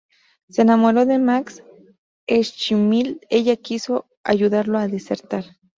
Se enamoró de Max Schmidt ella y quiso ayudarlo a desertar.